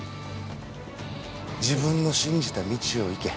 自分の信じた道を行け。